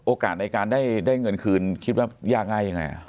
ในการได้เงินคืนคิดว่ายากง่ายยังไง